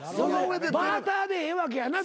バーターでええわけやな。